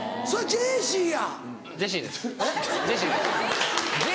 ジェシーや。